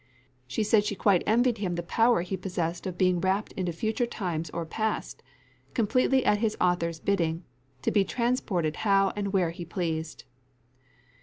She said she quite envied him the power he possessed of being rapt into future times or past, completely at his author's bidding, to be transported how and where he pleased.